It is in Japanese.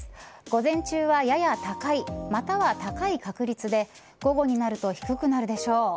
午前中はやや高いまたは高い確率で午後になると低くなるでしょう。